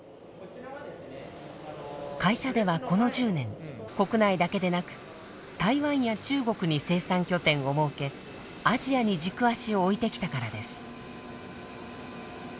会社ではこの１０年国内だけでなく台湾や中国に生産拠点を設けアジアに軸足を置いてきたからです。